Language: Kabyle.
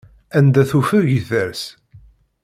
Anda tufeg i ters.